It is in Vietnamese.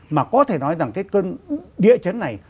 mà có thể nói rằng cái cơn địa chấn này